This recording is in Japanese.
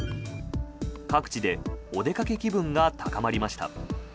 各地でお出かけ気分が高まりました。